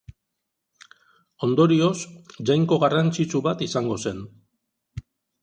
Ondorioz, jainko garrantzitsu bat izango zen.